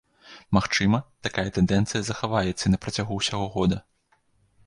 Магчыма, такая тэндэнцыя захаваецца і на працягу ўсяго года.